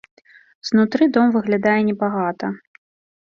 Знутры дом выглядае небагата.